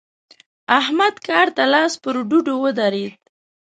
احمد کار ته لاس پر ډډو ودرېد.